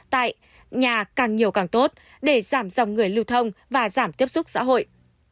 tại nhà càng nhiều càng tốt để giảm dòng người lưu thông và giảm tiếp xúc xã hội